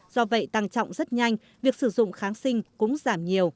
do vậy tăng trọng rất nhanh việc sử dụng kháng sinh cũng giảm nhiều